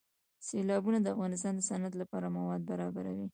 سیلابونه د افغانستان د صنعت لپاره مواد برابروي.